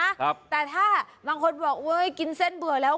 ครับแต่ถ้าบางคนบอกโอ้ยกินเส้นเบื่อแล้ว